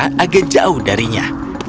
di udara agak jauh darinya